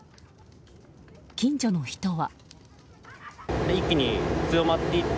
近所の人は。